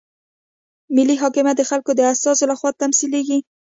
ملي حاکمیت د خلکو د استازو لخوا تمثیلیږي.